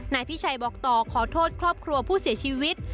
นายพิชัยบอกต่อขอโทษครอบครัวผู้เสียชีวิต